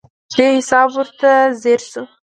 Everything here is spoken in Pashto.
دې حساب ورته ځیر شو.